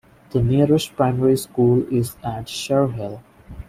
The nearest primary school is at Cherhill.